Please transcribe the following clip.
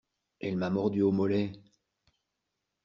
Elle m'a mordu au mollet.